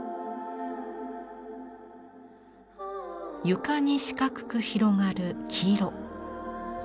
床に四角く広がる黄色。